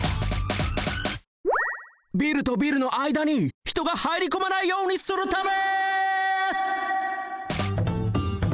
ビルとビルのあいだにひとがはいりこまないようにするため！